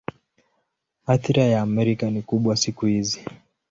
Athira ya Amerika ni kubwa siku hizi.